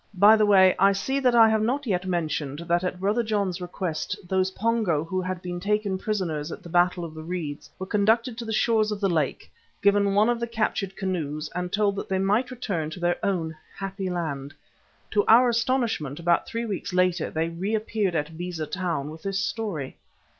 By the way, I see that I have not yet mentioned that at Brother John's request those Pongos who had been taken prisoners at the Battle of the Reeds were conducted to the shores of the lake, given one of the captured canoes and told that they might return to their own happy land. To our astonishment about three weeks later they reappeared at Beza Town with this story.